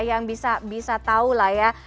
yang bisa tahu lah ya